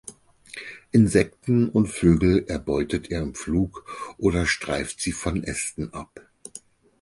Insekten und Vögel erbeutet er im Flug oder streift sie von Ästen ab.